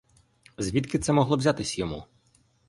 Звідки це могло взятись йому?